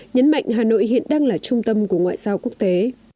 nhấn mạnh hà nội hiện đang là trung tâm của ngoại giao quốc tế